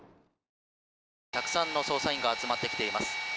たくさんの捜査員が集まってきています。